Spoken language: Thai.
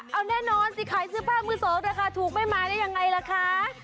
เอาแน่นอนสิขายเสื้อผ้ามือสองราคาถูกไม่มาได้ยังไงล่ะคะ